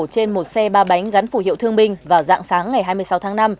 trên một xe ba bánh gắn phủ hiệu thương binh vào dạng sáng ngày hai mươi sáu tháng năm